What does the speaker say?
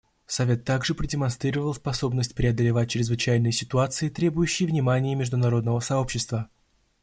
Совет также продемонстрировал способность преодолевать чрезвычайные ситуации, требующие внимания международного сообщества.